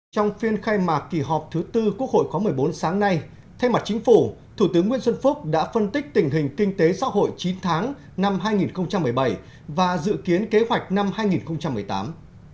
trong phiên khai mạc kỳ họp thứ tư quốc hội khóa một mươi bốn sáng nay thay mặt chính phủ thủ tướng nguyễn xuân phúc đã phân tích tình hình kinh tế xã hội chín tháng năm hai nghìn một mươi bảy và dự kiến kế hoạch năm hai nghìn một mươi tám